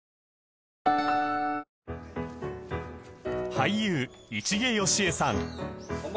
俳優市毛良枝さん